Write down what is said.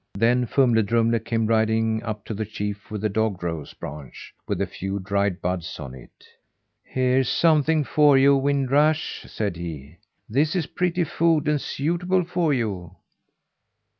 Then Fumle Drumle came riding up to the chief with a dog rose branch, with a few dried buds on it. "Here's something for you, Wind Rush," said he. "This is pretty food, and suitable for you."